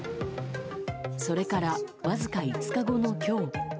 それから、わずか５日後の今日。